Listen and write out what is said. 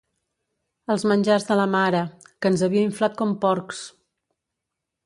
Els menjars de la mare... que ens havia inflat com porcs!